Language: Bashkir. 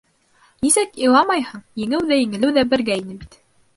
Нисек иламайһың, еңеү ҙә, еңелеү ҙә бергә ине бит...